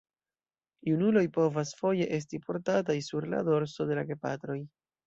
Junuloj povas foje esti portataj sur la dorso de la gepatroj.